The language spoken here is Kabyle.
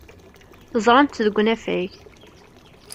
Teẓram-tt deg unafag.